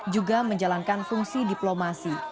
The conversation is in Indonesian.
juga menjalankan fungsi diplomasi